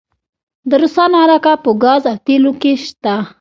د روسانو علاقه په ګاز او تیلو کې شته؟